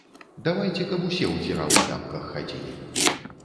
Давайце, каб усе ў дзіравых тапках хадзілі!